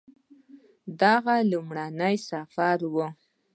د هغه لومړنی سفر و